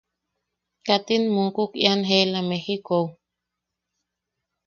¿Katin mukuk ian jeela Mejikou?